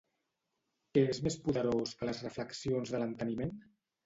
Què és més poderós que les reflexions de l'enteniment?